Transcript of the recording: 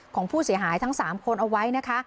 ของผู้เสียหายทั้ง๓คนเอาไว้นะคะ